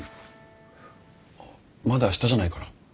まだ下じゃないかな。